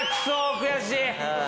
悔しい。